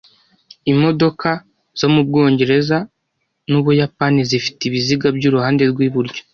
Imodoka zo mubwongereza nu Buyapani zifite ibiziga byuruhande rwiburyo.